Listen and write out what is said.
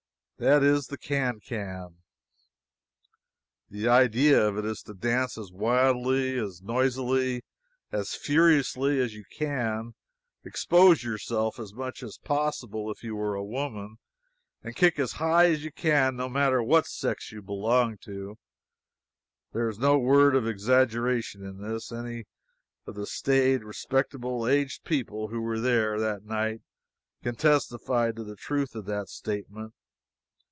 That is the can can. The idea of it is to dance as wildly, as noisily, as furiously as you can; expose yourself as much as possible if you are a woman; and kick as high as you can, no matter which sex you belong to. There is no word of exaggeration in this. Any of the staid, respectable, aged people who were there that night can testify to the truth of that statement.